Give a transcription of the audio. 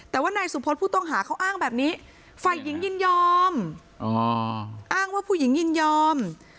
แต่ว่านายสุพธผู้ต้องหาเขาอ้างแบบนี้ฝ่ายหญิงยินยอมอ้างว่าผู้หญิงยินยอม